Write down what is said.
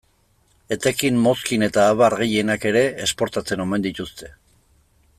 Etekin, mozkin eta abar gehienak ere, esportatzen omen dituzte.